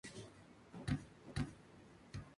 Dirige en la Liga de fútbol de Uzbekistán.